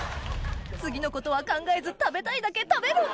次のことは考えず食べたいだけ食べる！